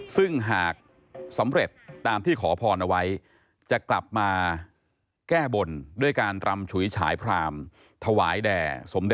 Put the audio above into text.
ซึ่งหากสำเร็จตามที่ขอพรเอาไว้จะกลับมาแก้บนด้วยการรำชุนโฉยขายพราหมณ์